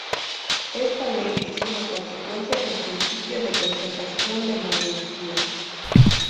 Esta ley es una consecuencia del principio de conservación de la energía.